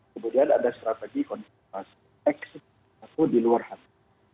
kemudian ada strategi konservasi eksistensi atau di luar habitat